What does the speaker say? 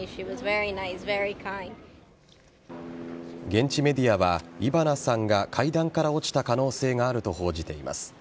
現地メディアは、イバナさんが階段から落ちた可能性があると報じています。